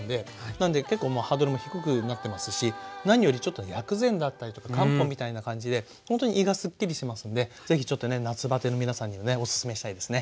なんで結構もうハードルも低くなってますし何よりちょっと薬膳だったりとか漢方みたいな感じでほんとに胃がすっきりしますんでぜひちょっとね夏バテの皆さんにはねオススメしたいですね。